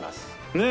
ねえ。